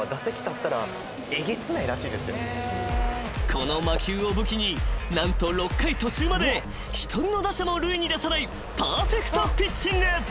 ［この魔球を武器に何と六回途中まで一人の打者も塁に出さないパーフェクトピッチング］